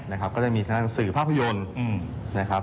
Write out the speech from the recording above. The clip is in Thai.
ก็จะมีทางด้านสื่อภาพยนตร์นะครับ